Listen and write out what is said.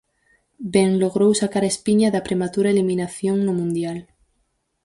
Ben logrou "sacar a espiña" da prematura eliminación no Mundial.